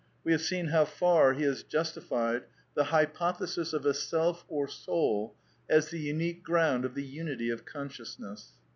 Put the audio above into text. We have seen how far he has justified the hypothesis of a self or soul as the unique ground of the unity of consciousness.